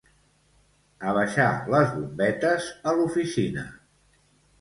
Abaixar les bombetes a l'oficina.